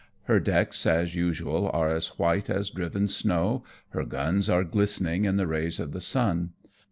Her decks as usual are as white as driven snow, her guns are glistening in the rays of the sun.